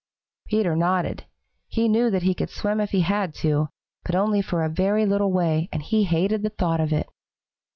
Peter nodded. He knew that he could swim if he had to, but only for a very little way, and he hated the thought of it.